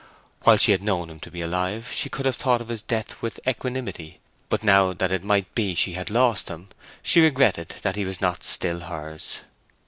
While she had known him to be alive she could have thought of his death with equanimity; but now that it might be she had lost him, she regretted that he was not hers still.